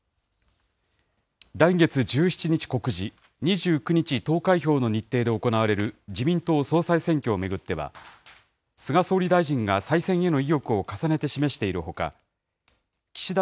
来月１７日告示、２９日投開票の日程で行われる自民党総裁選挙を巡っては、菅総理大臣が再選への意欲を重ねて示しているほか、岸田